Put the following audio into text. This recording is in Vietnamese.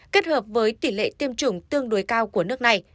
kết hợp với tỷ lệ tiêm chủng tương đối cao của nước này